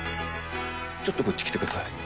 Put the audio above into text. ちょっとこっち来てください。